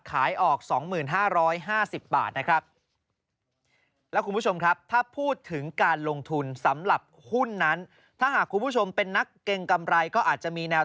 ขายออก๒๕๕๐บาทนะครับ